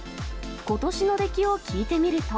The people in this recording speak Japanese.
ことしの出来を聞いてみると。